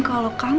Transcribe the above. gak mau lupakanmu